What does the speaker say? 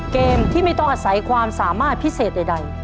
เกมที่ไม่ต้องอาศัยความสามารถพิเศษใด